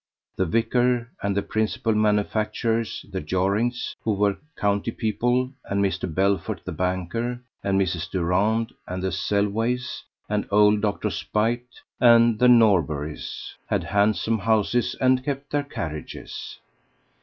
The vicar, and the principal manufacturers, the Jorrings, who were county people, and Mr. Belfort the banker, and Mrs. Durand, and the Selways, and old Dr. Speight, and the Norburys, had handsome houses and kept their carriages.